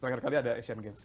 terakhir kali ada asian games